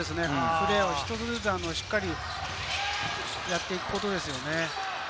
プレーを１つずつしっかりやっていくことですよね。